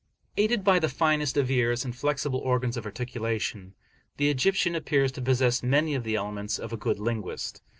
Aided by the finest of ears, and flexible organs of articulation, the Egyptian appears to possess many of the elements of a good linguist.